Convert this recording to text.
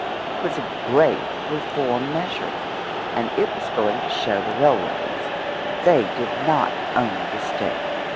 It was a great reform measure, and it was going to show the railroads that they did not own the State.